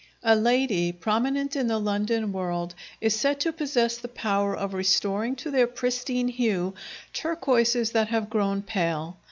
A lady prominent in the London world is said to possess the power of restoring to their pristine hue turquoises that have grown pale.